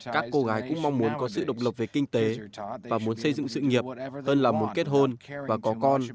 các cô gái cũng mong muốn có sự độc lập về kinh tế và muốn xây dựng sự nghiệp hơn là muốn kết hôn và có con